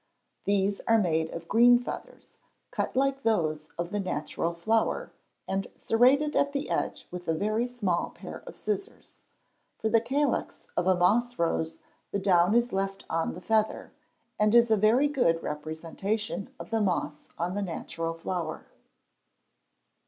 These are made of green feathers, cut like those of the natural flower, and serrated at the edge with a very small pair of scissors. For the calyx of a moss rose the down is left on the feather, and is a very good representation of the moss on the natural flower.